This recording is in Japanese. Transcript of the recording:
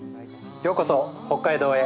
ようこそ北海道へ。